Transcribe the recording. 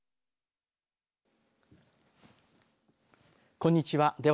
こんにちは。